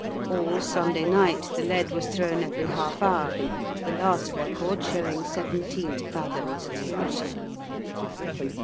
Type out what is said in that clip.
All Sunday night the lead was thrown every half hour, the last record showing seventeen fathoms of water.